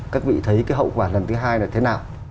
các vị thấy cái hậu quả lần thứ hai là thế nào